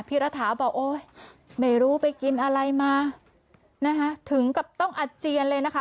รัฐาบอกโอ๊ยไม่รู้ไปกินอะไรมานะคะถึงกับต้องอาเจียนเลยนะคะ